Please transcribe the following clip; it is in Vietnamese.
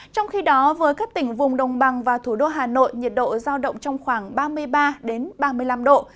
trong khi đó với các tỉnh vùng đồng bằng và thủ đô hà nội nhiệt độ giao động trong khoảng ba mươi ba ba mươi năm độ